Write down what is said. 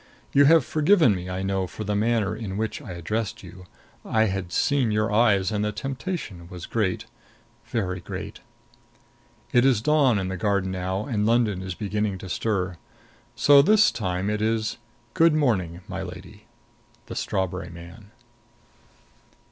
You have forgiven me, I know, for the manner in which I addressed you. I had seen your eyes and the temptation was great very great. It is dawn in the garden now and London is beginning to stir. So this time it is good morning, my lady. THE STRAWBERRY MAN.